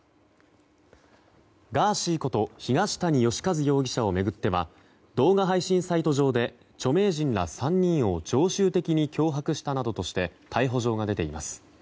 ガーシーこと東谷義和容疑者を巡っては動画配信サイト上で著名人ら３人を常習的に脅迫したなどとして逮捕状が出ています。